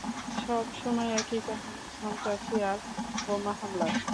সবসময় একই কাহিনী সন্ত্রাসী আর বোমা হামলা।